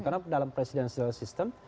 karena dalam presidensial sistem